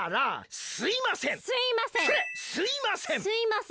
すいません。